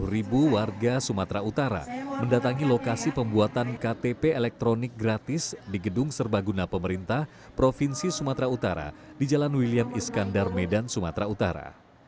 dua puluh ribu warga sumatera utara mendatangi lokasi pembuatan ktp elektronik gratis di gedung serbaguna pemerintah provinsi sumatera utara di jalan william iskandar medan sumatera utara